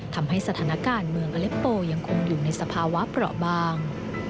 ทำให้สถานการณ์เมืองอเล็ปโปยังคงอยู่ในสภาวะเปราะบาง